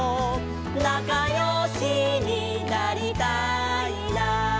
「なかよしになりたいな」